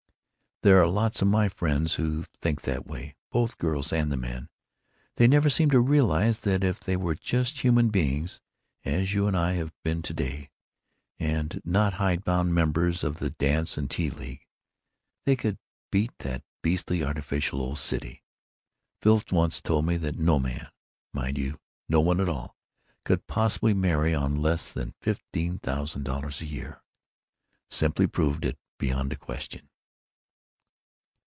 There are lots of my friends who think that way, both the girls and the men. They never seem to realize that if they were just human beings, as you and I have been to day, and not hide bound members of the dance and tea league, they could beat that beastly artificial old city.... Phil once told me that no man—mind you, no one at all—could possibly marry on less than fifteen thousand dollars a year. Simply proved it beyond a question."